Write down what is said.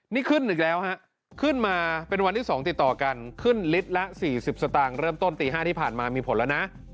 นี่ขึ้นอีกแล้วฮะขึ้นมาเป็นวันที่๒ติดต่อกันขึ้นลิตรละ๔๐สตางค์เริ่มต้นตี๕ที่ผ่านมามีผลแล้วนะ